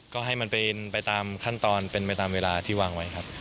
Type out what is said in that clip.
ก็ให้มันเป็นไปตามขั้นตอนเป็นไปตามเวลาที่วางไว้ครับ